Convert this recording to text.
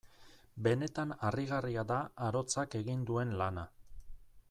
Benetan harrigarria da arotzak egin duen lana.